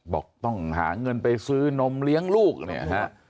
บอกต้องหาเงินไปซื้อนมเลี้ยงลูกเนี่ยฮะ